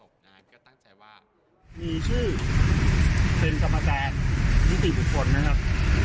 ครับก็ตั้งใจว่ามีชื่อเป็นสมรรจารย์นิติบุษฎนะครับ